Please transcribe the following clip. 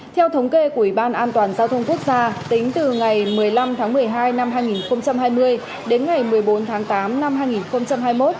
theo thống kê của ủy ban an toàn giao thông quốc gia tính từ ngày một mươi năm tháng một mươi hai năm hai nghìn hai mươi đến ngày một mươi bốn tháng tám năm hai nghìn hai mươi một